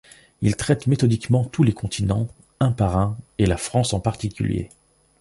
Il traite méthodiquement tous les continents, un par un, et la France en particulier.